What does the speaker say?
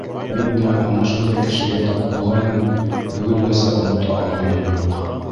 Мин дә ана шундай кешегә тап булғайным, бөгөнгәсә онота алғаным юҡ.